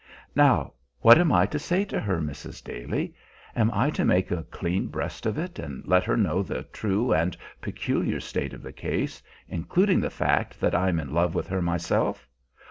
"Now, what am I to say to her, Mrs. Daly? Am I to make a clean breast of it, and let her know the true and peculiar state of the case, including the fact that I'm in love with her myself?